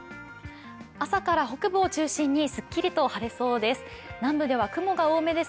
朝から北部を中心にすっきりと晴れそうです。